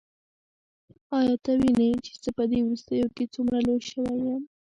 ایا ته وینې چې زه په دې وروستیو کې څومره لوی شوی یم؟